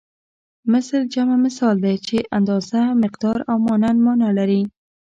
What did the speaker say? مثل جمع مثال دی چې اندازه مقدار او مانند مانا لري